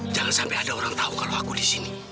jangan sampai ada orang tahu kalau aku di sini